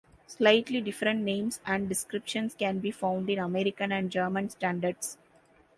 Slightly different names and descriptions can be found in American and German standards.